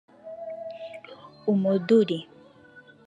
umuduli